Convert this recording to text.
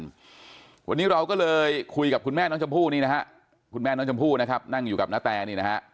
วันนี้เราก็เลยคุยกับคุณแม่น้องชมพู่นี่นะฮะคุณแม่น้องชมพู่นะครับนั่งอยู่กับนาแตนี่นะฮะ